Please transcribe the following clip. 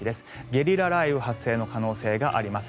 ゲリラ雷雨発生の可能性があります。